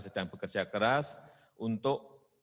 sedang bekerja keras untuk